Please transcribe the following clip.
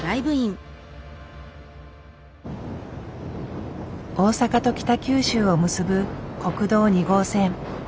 大阪と北九州を結ぶ国道２号線。